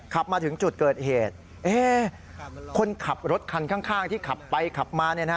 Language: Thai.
ขับมาถึงจุดเกิดเหตุคนขับรถคันข้างที่ขับไปขับมา